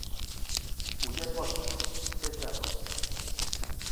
Muller morta, sete á porta